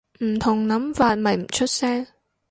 唔同諗法咪唔出聲